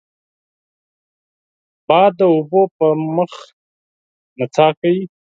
باد د اوبو په مخ نڅا کوي